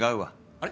あれ？